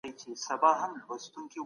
کرنه کلي ژوند لري.